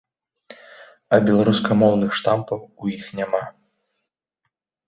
А беларускамоўных штампаў у іх няма.